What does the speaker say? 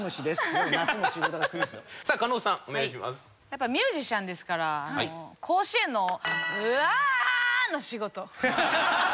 やっぱミュージシャンですから甲子園の「アァ」の仕事。